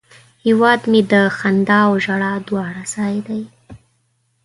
هیواد مې د خندا او ژړا دواړه ځای دی